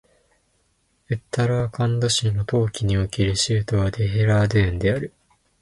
ウッタラーカンド州の冬季における州都はデヘラードゥーンである